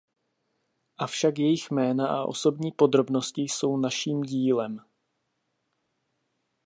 Avšak jejich jména a osobní podrobnosti jsou naším dílem.